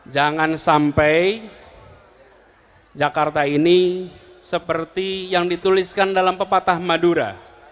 jangan sampai jakarta ini seperti yang dituliskan dalam pepatah madura